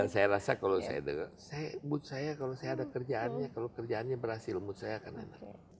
saya rasa kalau saya ada kerjaannya kalau kerjaannya berhasil mood saya akan enak